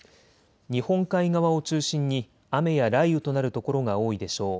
日本海側を中心に雨や雷雨となる所が多いでしょう。